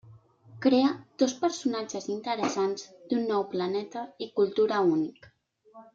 Crea dos personatges interessants d’un nou planeta i cultura únic.